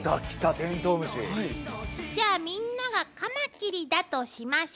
じゃあみんながカマキリだとしましょう。